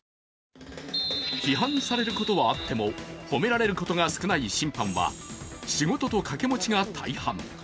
批判されることはあっても褒められることは少ない審判は、仕事と掛け持ちが大半。